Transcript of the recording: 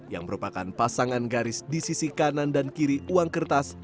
yang merupakan pasangan garis di sisi kanan dan kiri uang kertas